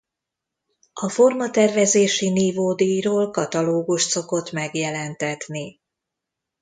A Formatervezési nívódíjról katalógust szokott megjelentetni.